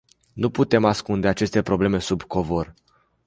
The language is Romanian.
Nu putem ascunde aceste probleme sub covor!